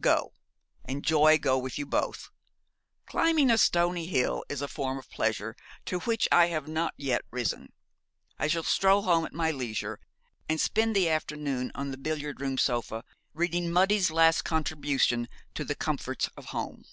Go, and joy go with you both. Climbing a stony hill is a form of pleasure to which I have not yet risen. I shall stroll home at my leisure, and spend the afternoon on the billiard room sofa reading Mudie's last contribution to the comforts of home.'